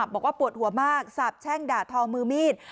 บอกว่าปวดหัวมากสาบแช่งด่าทองมือมีด